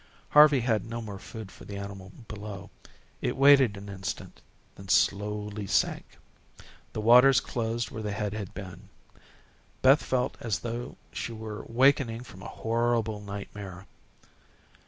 Harvey had no more food for the animal below. It waited an instant, then slowly sank. The waters closed where the head had been. Beth felt as though she were wakening from a horrible nightmare.